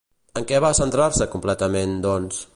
En què va centrar-se completament, doncs?